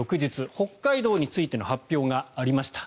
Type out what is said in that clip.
北海道についての発表がありました。